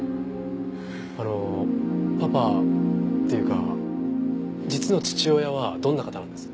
あのパパっていうか実の父親はどんな方なんです？